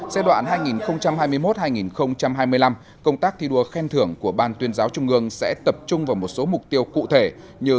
giai đoạn hai nghìn hai mươi một hai nghìn hai mươi năm công tác thi đua khen thưởng của ban tuyên giáo trung ương sẽ tập trung vào một số mục tiêu cụ thể như